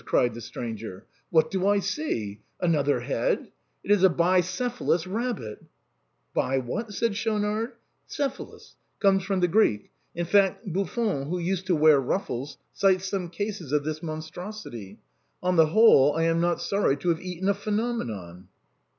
cried the stranger, " what do I see ? Another head ? It is a bicephalous rabbit !"" Buy what ?" said Schaunard. " Cephalous — comes from the Greek. In fact, Buffon (who used to wear ruffles) cites some cases of this mon strosity. On the whole, I am not sorry to have eaten a phenomenon."